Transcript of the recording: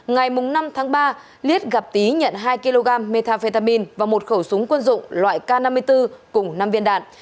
ngày năm tháng ba liết gặp tí nhận hai kg methamphetamine và một khẩu súng quân dụng loại k năm mươi bốn cùng năm viên đạn